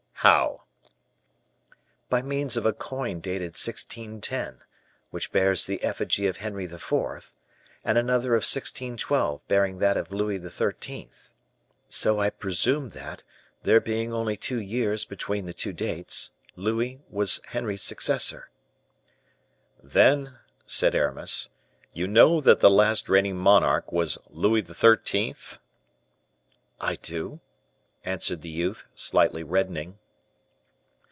"How?" "By means of a coin dated 1610, which bears the effigy of Henry IV.; and another of 1612, bearing that of Louis XIII. So I presumed that, there being only two years between the two dates, Louis was Henry's successor." "Then," said Aramis, "you know that the last reigning monarch was Louis XIII.?" "I do," answered the youth, slightly reddening.